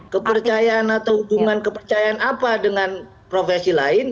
kepercayaan atau hubungan kepercayaan apa dengan profesi lain